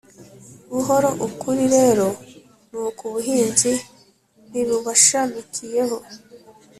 Buhoro ukuri rero nuko ubuhinzi n ibibushamikiyeho